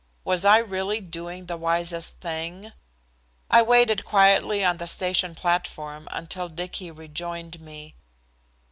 Was I really doing the wisest thing? I waited quietly on the station platform until Dicky rejoined me.